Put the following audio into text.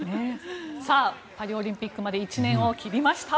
パリオリンピックまで１年を切りました。